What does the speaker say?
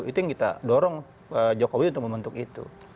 itu yang kita dorong jokowi untuk membentuk itu